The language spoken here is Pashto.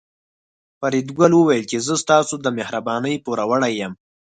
فریدګل وویل چې زه ستاسو د مهربانۍ پوروړی یم